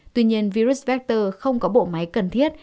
tuy nhiên virus vector không có bộ máy cần thiết